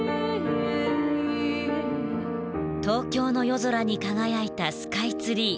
東京の夜空に輝いたスカイツリー。